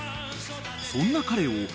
［そんな彼を］